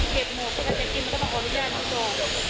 เก็บหมดถ้าจะกินก็ต้องขออนุญาตที่ต่อ